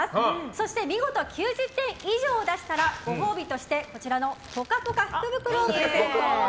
そして見事９０点以上を出したらご褒美としてこちらのぽかぽか福袋をプレゼント。